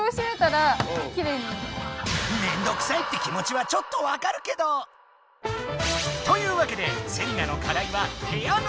めんどくさいって気もちはちょっとわかるけど。というわけでセリナの課題は部屋の「片づけ」。